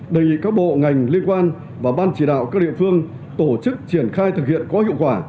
đề nghị các bộ ngành liên quan và ban chỉ đạo các địa phương tổ chức triển khai thực hiện có hiệu quả